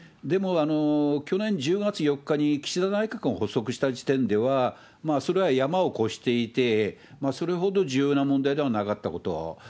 でも、去年１０月４日に岸田内閣が発足した時点では、それはヤマを越していて、それほど重要な問題ではなかったこと。